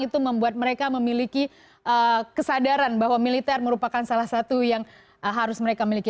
itu membuat mereka memiliki kesadaran bahwa militer merupakan salah satu yang harus mereka miliki